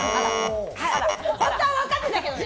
本当はわかってたけどね。